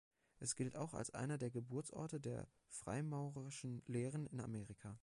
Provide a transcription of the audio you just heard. Es gilt auch als einer der Geburtsorte der freimaurerischen Lehren in Amerika.